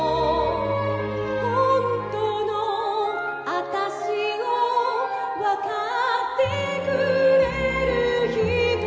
「本当の私をわかってくれる人」